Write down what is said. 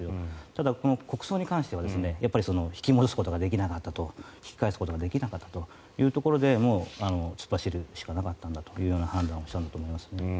ただ、この国葬に対しては引き戻すことができなかった引き返すことができなかったというところでもう突っ走るしかないという判断をしたんだと思います。